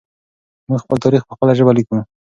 موږ خپل تاریخ په خپله ژبه لیکو.